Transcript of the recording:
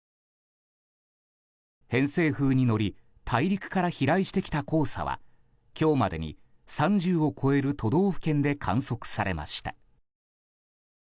偏西風に乗り大陸から飛来してきた黄砂は今日までに３０を超える都道府県で観測されました。